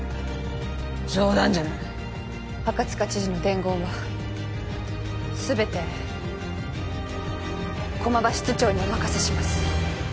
冗談じゃない赤塚知事の伝言は全て駒場室長にお任せします